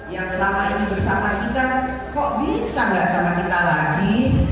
yang selama ini bersama kita kok bisa gak sama kita lagi